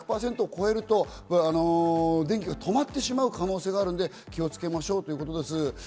１００％を超えると電気が止まってしまう可能性があるので気をつけましょうということです。